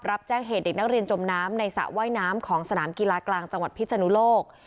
รับแจ้งเหตุเด็กนักเรียนจมน้ำในสระว่ายน้ำของสนามกีฬากลางจังหวัดพิศนุโลก